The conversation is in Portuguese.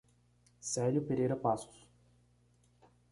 Celio Pereira Passos